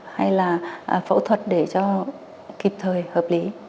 hay là phẫu thuật để cho kịp thời hợp lý